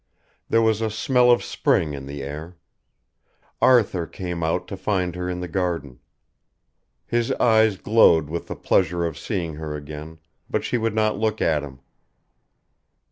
There was a smell of spring in the air. Arthur came out to find her in the garden. His eyes glowed with the pleasure of seeing her again, but she would not look at him.